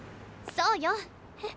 そうよ。え？